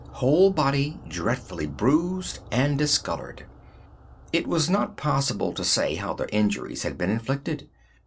Whole body dreadfully bruised and discolored. It was not possible to say how the injuries had been inflicted.